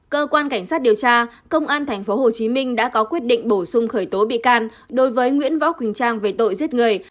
cơ quan cảnh sát điều tra công an thành phố hồ chí minh đã có quyết định bổ sung khởi tố bị can đối với nguyễn võ quỳnh trang về tội giết người